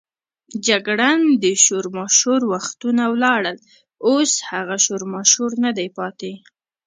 جګړن: د شورماشور وختونه ولاړل، اوس هغه شورماشور نه دی پاتې.